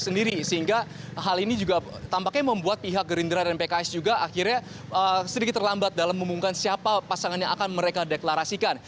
sehingga hal ini juga tampaknya membuat pihak gerindra dan pks juga akhirnya sedikit terlambat dalam mengumumkan siapa pasangan yang akan mereka deklarasikan